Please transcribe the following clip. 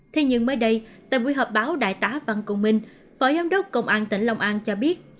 thế nhưng mới đây tại buổi họp báo đại tá văn công minh phó giám đốc công an tỉnh long an cho biết